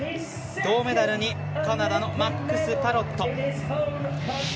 銅メダルにカナダのマックス・パロット。